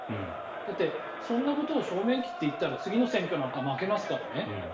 だって、そんなことを正面切って言ったら次の選挙なんか負けますからね。